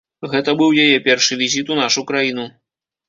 Гэта быў яе першы візіт у нашу краіну.